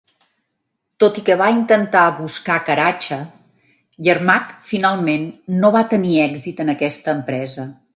Tot i que va intentar buscar Karacha, Yermak finalment no va tenir èxit en aquesta empresa.